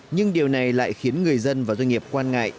nhưng điều này lại khiến người dân và doanh nghiệp quan ngại